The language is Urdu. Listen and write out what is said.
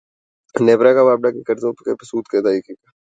نیپرا کا واپڈا کے قرضوں پر سود کی ادائیگی سے انکار